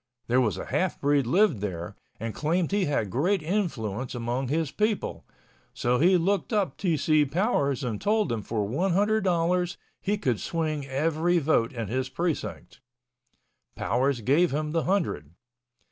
There was a half breed lived there and claimed he had great influence among his people. So he looked up T. C. Powers and told him for one hundred dollars he could swing every vote in his precinct. Powers gave him the hundred.